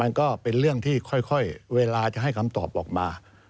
มันก็เป็นเรื่องที่ค่อยเวลาจะให้คำตอบออกมา